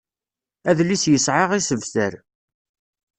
Adlis yesɛa isebtar.